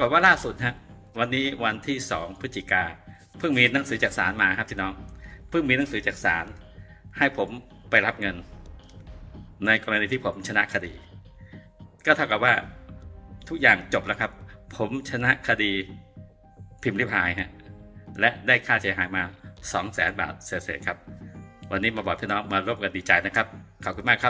แต่ว่าล่าสุดฮะวันนี้วันที่๒พฤศจิกาเพิ่งมีหนังสือจากศาลมาครับพี่น้องเพิ่งมีหนังสือจากศาลให้ผมไปรับเงินในกรณีที่ผมชนะคดีก็เท่ากับว่าทุกอย่างจบแล้วครับผมชนะคดีพิมพิพายฮะและได้ค่าเสียหายมาสองแสนบาทเศษครับวันนี้มาบอกพี่น้องมาร่วมกันดีใจนะครับขอบคุณมากครับ